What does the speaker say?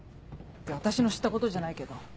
私の知ったことじゃないけど。